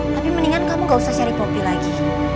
tapi mendingan kamu gak usah cari pompi lagi